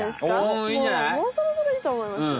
もうもうそろそろいいとおもいます。